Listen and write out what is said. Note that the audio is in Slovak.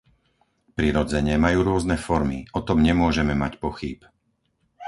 Prirodzene, majú rôzne formy, o tom nemôžeme mať pochýb.